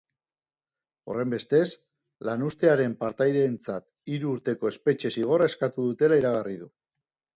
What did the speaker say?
Horrenbestez, lanuztearen partaideentzat hiru urteko espetxe zigorra eskatuko dutela iragarri du.